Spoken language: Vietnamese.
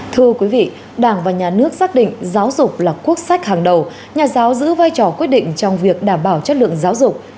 thưa quý vị đảng và nhà nước xác định giáo dục là quốc sách hàng đầu nhà giáo giữ vai trò quyết định trong việc đảm bảo chất lượng giáo dục